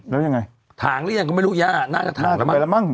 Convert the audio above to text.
แล้วยังไงถ่างรี่นั่งก็ไม่รู้ย่าน่าจะถ่างแล้วมั้ง